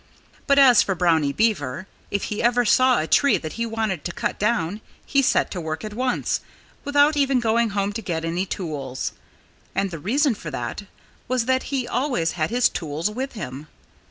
But as for Brownie Beaver if he ever saw a tree that he wanted to cut down he set to work at once, without even going home to get any tools. And the reason for that was that he always had his tools with him.